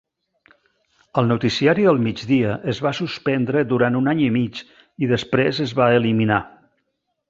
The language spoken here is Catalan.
El noticiari del migdia es va suspendre durant un any i mig i després es va eliminar.